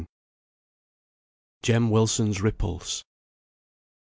JEM WILSON'S REPULSE.